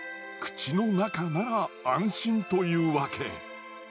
口の中なら安心というわけ。